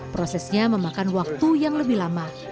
prosesnya memakan waktu yang lebih lama